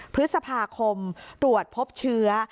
พฤษภาคมตรวจพบเชื้อ